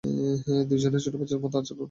দুজনেরই ছোট বাচ্চার মত আচরণ।